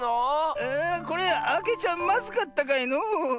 これあけちゃまずかったかのう？